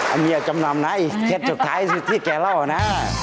อันนี้จำนำนะอีกเคล็ดสุดท้ายสิที่แกเล่านะ